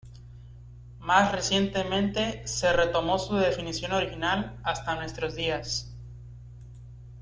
Más recientemente se retomó su definición original hasta nuestros días.